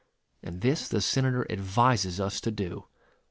And this the Senator advises us to do.